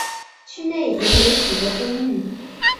区内也有许多公寓。